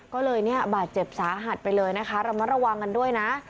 ก็เลยเนี่ยบาดเจ็บสาหัสไปเลยนะคะระมัดระวังกันด้วยนะ